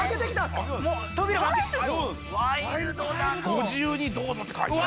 ご自由にどうぞって書いて。